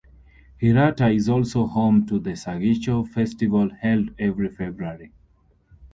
Hirata is also home to the Sagicho Festival held every February.